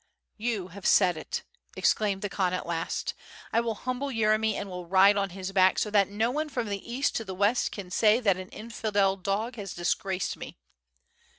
"You have said it," exclaimed the Khan at last. "I will humble Yeremy and will ride on his back so that no one from the east to the west can say that an infidel dog has dis graced me."